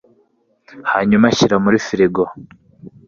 hanyuma ashyira muri firigo